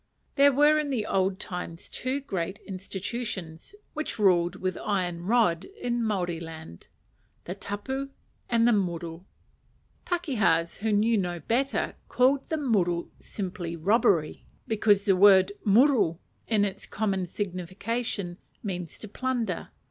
There were in the old times two great institutions, which ruled with iron rod in Maori land the Tapu and the Muru. Pakehas who knew no better called the muru simply "robbery," because the word muru, in its common signification, means to plunder.